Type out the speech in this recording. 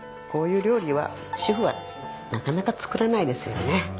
こういう料理は主婦はなかなか作らないですよね。